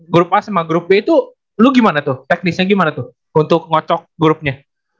grup a sama grup b itu lu gimana tuh teknisnya gimana tuh untuk ngocok grupnya